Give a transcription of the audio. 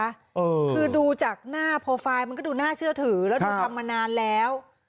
คือดูจากหน้าโปรไฟล์มันก็ดูน่าเชื่อถือแล้วดูทำมานานแล้ว